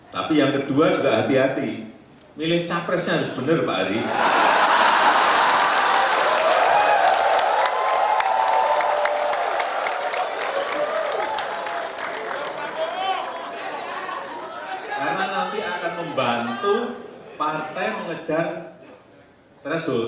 karena nanti akan membantu partai mengejar presur